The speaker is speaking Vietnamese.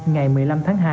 ngày một mươi năm tháng hai